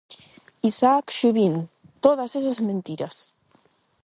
Isaac Xubín, "Todas esas mentiras".